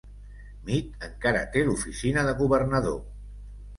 Mead encara té l'oficina de governador.